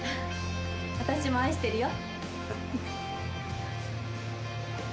私も愛してるよ。